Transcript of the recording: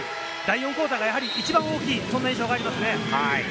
第４クオーターが一番大きい印象がありますね。